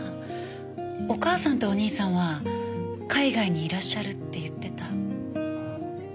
お母さんとお兄さんは海外にいらっしゃるって言ってた。